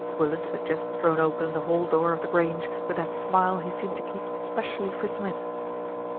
Willis had just thrown open the hall door of The Grange with that smile he seemed to keep specially for Smith.